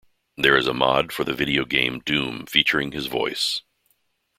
There is a mod for the video game "Doom" featuring his voice.